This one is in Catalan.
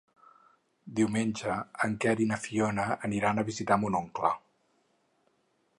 Diumenge en Quer i na Fiona aniran a visitar mon oncle.